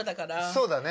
そうだね。